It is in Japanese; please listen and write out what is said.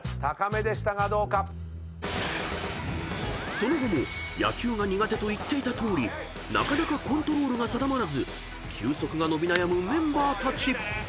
［その後も野球が苦手と言っていたとおりなかなかコントロールが定まらず球速が伸び悩むメンバーたち］